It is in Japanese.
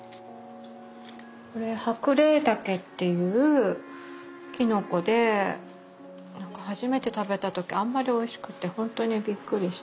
これハクレイダケっていうきのこで初めて食べた時あんまりおいしくてほんとにびっくりして。